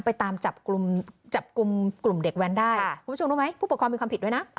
ไปตามจับกลุ่มจับกลุ่มกลุ่มเด็กแว้นได้คุณผู้ชมรู้ไหมผู้ปกครองมีความผิดด้วยนะ